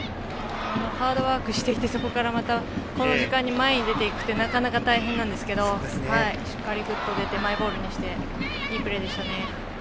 ハードワークしてこの時間も前に出ていくってなかなか大変なんですけれどグッと前に出てマイボールにしていいプレーでしたね。